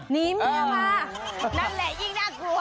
หนีเมียมานั่นแหละยิ่งน่ากลัว